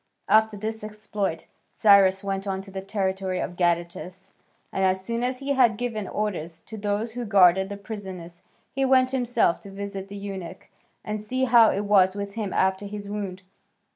After this exploit Cyrus went on to the territory of Gadatas, and as soon as he had given orders to those who guarded the prisoners, he went himself to visit the eunuch and see how it was with him after his wound.